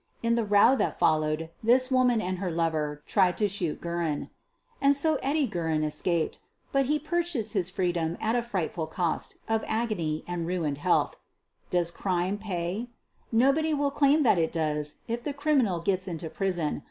In the row that followed this woman and her lover tried to shoot Guerin. And so Eddie Guerin escaped — but he purchased his freedom at a frightful cost of agony and ruined health. Does crime pay? Nobody will claim that it does if the criminal gets into prison.